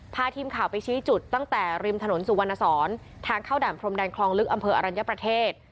พาทีมข่าวไปชี้จุดตั้งแต่ริมถนนสุวรรณสอนทางเข้าด่านพรมแดนคลองลึกอำเภออรัญญประเทศ